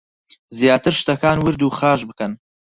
زیاتر شتەکان ورد و خاش بکەن